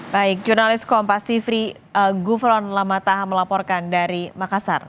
baik jurnalis kompas tvri gufron lamataha melaporkan dari makassar